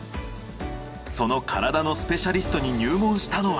その体のスペシャリストに入門したのは。